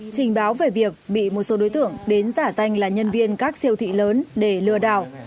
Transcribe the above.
trình báo về việc bị một số đối tượng đến giả danh là nhân viên các siêu thị lớn để lừa đảo